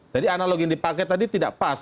jadi analog yang dipakai tadi tidak pas